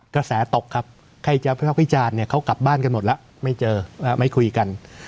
กระแสตกครับพี่จานเขากลับบ้านกันหมดแล้วไม่เจอไม่คุยกัน